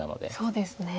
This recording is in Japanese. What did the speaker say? そうですね。